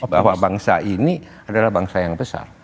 bahwa bangsa ini adalah bangsa yang besar